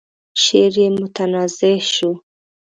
شعر يې متنازعه شو.